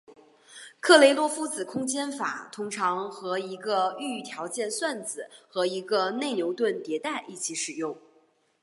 克雷洛夫子空间法通常和一个预条件算子和一个内牛顿迭代一起使用。